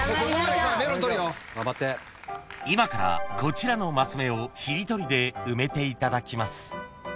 ［今からこちらのマス目をしりとりで埋めていただきます］